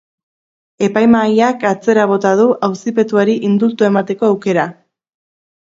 Epaimahaiak atzera bota du auzipetuari indultua emateko aukera.